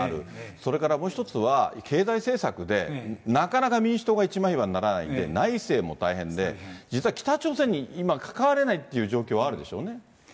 それからもう一つは、経済政策でなかなか民主党が一枚岩にならなくて、内政も大変で、実は北朝鮮に今、関われないという状況はあるでしょうね。